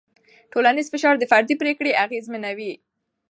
ټولنیز فشار د فرد پرېکړې اغېزمنوي.